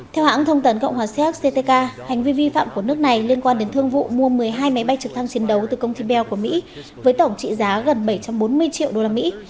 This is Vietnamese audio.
theo hãng thông tấn cộng hòa xéc ctk hành vi vi phạm của nước này liên quan đến thương vụ mua một mươi hai máy bay trực thăng chiến đấu từ công ty bell của mỹ với tổng trị giá gần bảy trăm bốn mươi triệu đô la mỹ